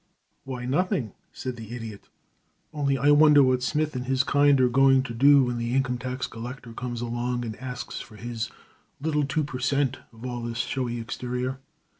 "Why, nothing," said the Idiot, "only I wonder what Smythe and his kind are going to do when the income tax collector comes along and asks for his little two per cent. of all this showy exterior.